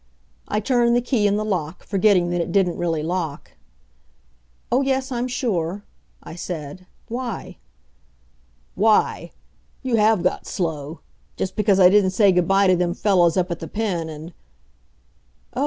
I turned the key in the lock, forgetting that it didn't really lock. "Oh, yes, I'm sure," I said. "Why?" "Why! You have got slow. Just because I didn't say good by to them fellows up at the Pen, and " "Oh!